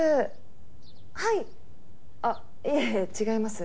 あっいえ違います。